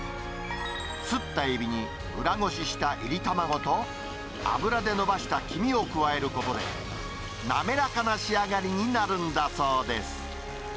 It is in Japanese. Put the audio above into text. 吸ったエビに、裏ごししたいり卵と油でのばした黄身を加えることで、滑らかな仕上がりになるんだそうです。